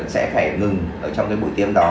sẽ phải ngừng trong bụi tiêm đó